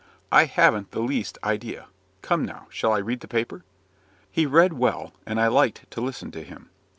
"I haven't the least idea. Come now, shall I read the paper?" He read well, and I liked to listen to him.